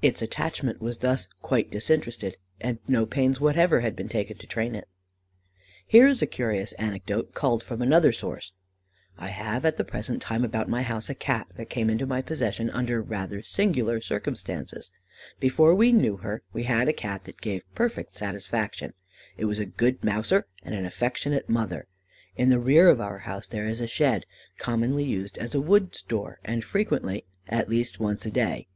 Its attachment was thus quite disinterested, and no pains whatever had been taken to train it." Here is a curious anecdote, culled from another source: "I have at the present time about my house a Cat that came into my possession under rather singular circumstances. Before we knew her, we had a Cat that gave perfect satisfaction, was a good mouser, and an affectionate mother. In the rear of our house, there is a shed, commonly used as a wood store, and frequented, at least, once a day.